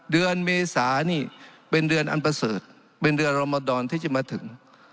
เดือนเมษานี่เป็นเดือนอันประเสริฐเป็นเดือนรมดรที่จะมาถึง